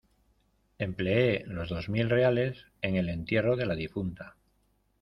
Empleé los dos mil reales en el entierro de la difunta.